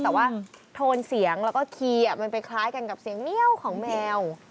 แต่ว่าโทนเสียงแล้วก็คีย์มันไปคล้ายกันกับเสียงเมียวของแมว